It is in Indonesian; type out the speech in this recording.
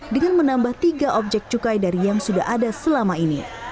dengan menambah tiga objek cukai dari yang sudah ada selama ini